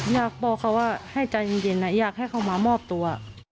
อยากบอกเขาว่าให้ใจเย็นอยากให้เขามามอบตัว